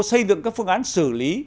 xây dựng các phương án xử lý